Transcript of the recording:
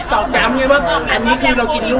ตอกคำว่าอันนี้คือเรากินดวง